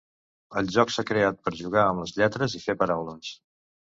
El joc s’ha creat per jugar amb les lletres i fer paraules.